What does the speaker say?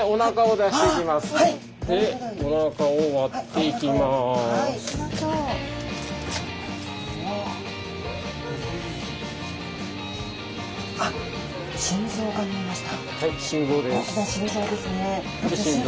大きな心臓ですね。